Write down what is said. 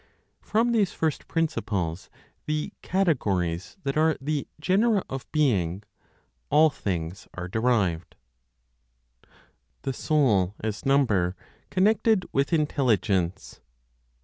From these first principles (the categories, that are the genera of being) all things are derived. THE SOUL AS NUMBER CONNECTED WITH INTELLIGENCE.